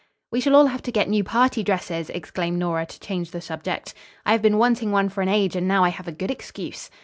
"We shall all have to get new party dresses," exclaimed Nora to change the subject. "I have been wanting one for an age and now I have a good excuse."